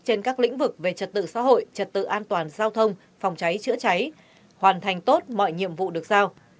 trên các lĩnh vực về trật tự xã hội trật tự an toàn giao thông phòng cháy chữa cháy hoàn thành tốt mọi nhiệm vụ được giao